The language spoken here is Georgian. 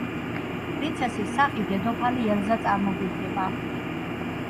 პრინცესის სახით დედოფალი ელზა წარმოგვიდგება.